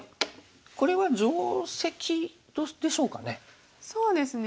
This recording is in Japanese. これは定石でしょうかね？